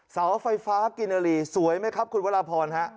เสาไฟฟ้ากินอลีสวยไหมครับคุณวัตราพรครับ